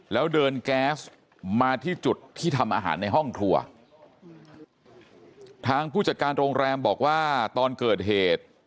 แล้วเดินแก๊สมาที่จุดที่ทำอาหารในห้องครัวทางผู้จัดการโรงแรมบอกว่าตอนเกิดเหตุ